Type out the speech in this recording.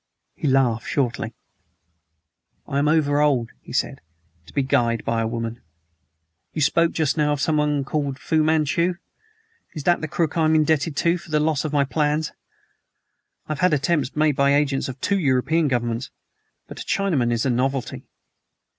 He laughed shortly. "I am over old," he said, "to be guyed by a woman. You spoke just now of someone called Fu Manchu. Is that the crook I'm indebted to for the loss of my plans? I've had attempts made by agents of two European governments, but a Chinaman is a novelty."